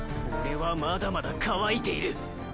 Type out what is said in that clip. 俺はまだまだ乾いている。